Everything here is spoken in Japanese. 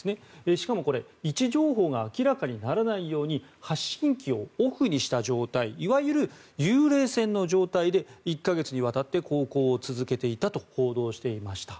しかも、位置情報が明らかにならないように発信機をオフにした状態いわゆる幽霊船の状態で１か月にわたって航行を続けていたと報道していました。